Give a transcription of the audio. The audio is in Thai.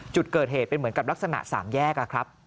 จุดเกิดเหตุเป็นเหมือนกับลักษณะสามแยกครับ